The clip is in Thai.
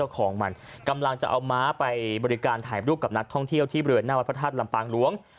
ของมันกำลังจะเอาม้าไปบริการถ่ายรูปกับนักท่องเที่ยวที่บริเวณหน้าวัดพระธาตุลำปางหลวง